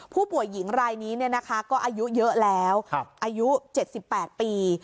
ผู้หญิงรายนี้ก็อายุเยอะแล้วอายุ๗๘ปี